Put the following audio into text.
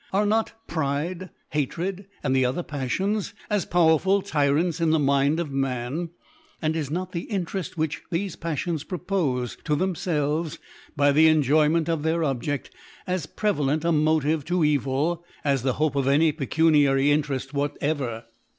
Are not Pride, Hatred, and the other Paffions, as powerful Tyrants in the Mind of Man; and is not the Intereft which thcfe Paffions propofc .to , thefnfelvcs by the En •.'^ 'I 5^ '.' *j6yment i ( 178 ) joyment of their Objcft, as prevalent a Mo Live to Evil as the Hope of any pecuniary Inereft whatever.